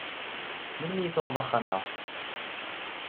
Melmi i tuɣeḍ axxam-a?